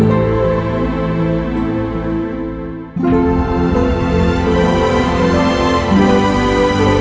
kepala kujang kempar